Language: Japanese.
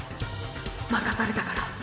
任されたから。